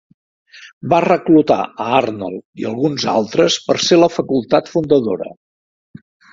Va reclutar a Arnold i alguns altres per ser la facultat fundadora.